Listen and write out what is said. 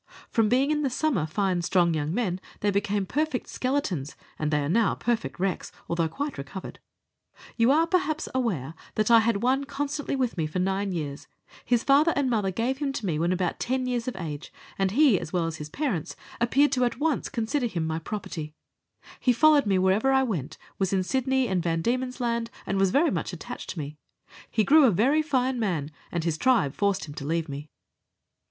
From being in the summer fine strong young men they became perfect skeletons, and they are now perfect wrecks, although quite recovered. You are, perhaps, aware that I had one constantly with me for nine years; his father and mother gave him to me when about ten years of age, and he, as well as his parents, appeared to at once consider him my property. He Letters from Victorian Pioneers. 3 followed me wherever I went, was in Sydney and V. D. Land, and was very much attached to me. He grew a very fine man, and his tribe forced him to leave me.